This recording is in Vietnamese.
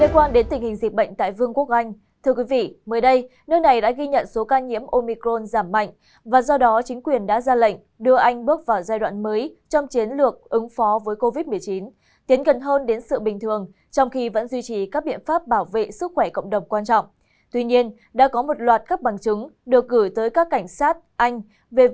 các bạn hãy đăng ký kênh để ủng hộ kênh của chúng mình nhé